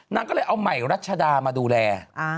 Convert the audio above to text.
นางก็เลยเอาใหม่รัชดามาดูแล